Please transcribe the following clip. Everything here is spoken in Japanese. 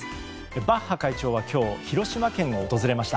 バッハ会長は今日広島県を訪れました。